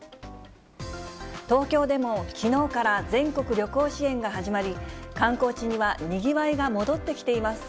東京でもきのうから全国旅行支援が始まり、観光地にはにぎわいが戻ってきています。